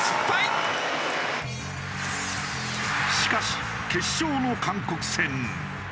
しかし決勝の韓国戦。